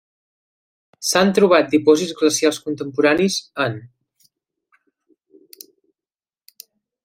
S'han trobat dipòsits glacials contemporanis en: